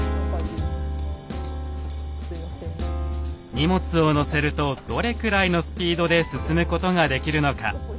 荷物を載せるとどれくらいのスピードで進むことができるのか。